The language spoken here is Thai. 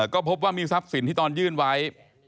ก็พบว่ามีทรัพย์สินที่ตอนยื่นไว้